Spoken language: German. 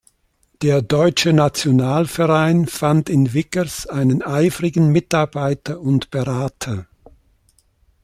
Der Deutsche Nationalverein fand in Wiggers einen eifrigen Mitarbeiter und Berater.